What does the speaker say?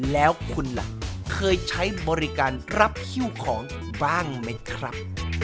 แล้วคุณล่ะเคยใช้บริการรับฮิ้วของบ้างไหมครับ